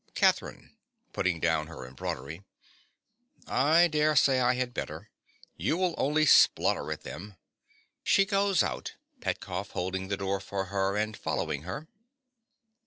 CATHERINE. (putting down her embroidery). I daresay I had better. You will only splutter at them. (_She goes out, Petkoff holding the door for her and following her.